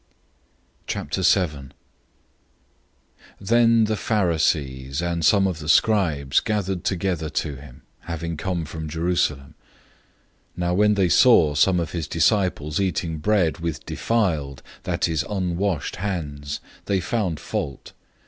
007:001 Then the Pharisees, and some of the scribes gathered together to him, having come from Jerusalem. 007:002 Now when they saw some of his disciples eating bread with defiled, that is, unwashed, hands, they found fault.